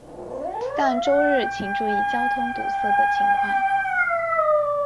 但周日请注意交通堵塞情况。